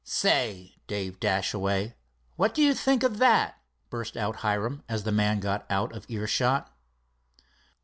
"Say, Dave Dashaway, now what do you think of that!" burst out Hiram, as the man got out of earshot.